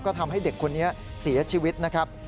ก็ทำให้เด็กคนนี้เสียชีวิตนะครับ